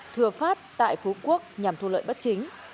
thừa phát tại phú quốc nhằm thu lợi bất chính